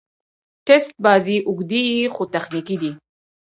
ټېسټ بازي اوږدې يي، خو تخنیکي دي.